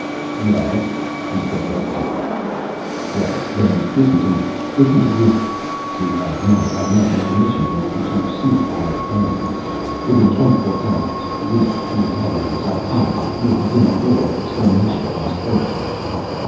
"Yes," he said hesitantly. "Well, then, listen to me, listen to Guru. We have now had enough information from you to suit our ends. Within twenty four hours, we, the inhabitants of Ahli, will begin a war of extermination against Earth...."